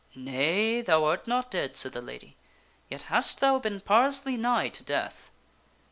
Nay, thou art not dead," said the lady, " yet hast thou been parlously nigh to death."